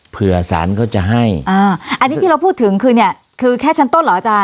เผื่อสารเขาจะให้อ่าอันนี้ที่เราพูดถึงคือเนี่ยคือแค่ชั้นต้นเหรออาจาร